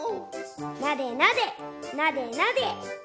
なでなでなでなで。